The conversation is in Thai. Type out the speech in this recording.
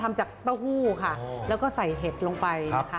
ทำจากเต้าหู้ค่ะแล้วก็ใส่เห็ดลงไปนะคะ